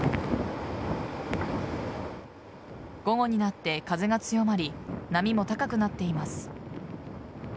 午後になって風が強まり波も高くなっています。